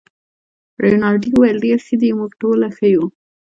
رینالډي وویل: ډیر ښه دي، موږ ټوله ښه یو.